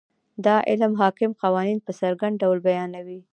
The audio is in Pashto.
دا علم حاکم قوانین په څرګند ډول بیانوي.